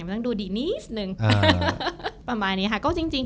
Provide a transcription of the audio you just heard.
ก็อย่างดูดีนี้นึง